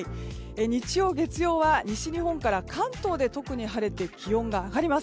日曜、月曜は西日本から関東で特に晴れて気温が上がります。